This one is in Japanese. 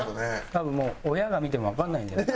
多分もう親が見てもわかんないんじゃないか。